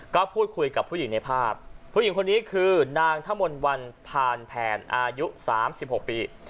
ก็พูดคุยกับผู้หญิงในภาพผู้หญิงคนนี้คือนางทะมนต์วันผ่านแผนอายุ๓๖ปี